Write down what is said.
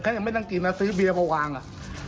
ใครยังไม่นั่งกินมาซื้อเบียมาวางอ่ะ